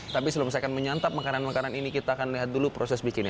tapi sebelum saya akan menyantap makanan makanan ini kita akan lihat dulu proses bikinnya